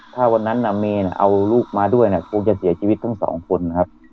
ถ้าวันนั้นน่ะเมนี่น่ะเอาลูกมาด้วยน่ะผมจะเสียชีวิตทั้งสองคนนะครับ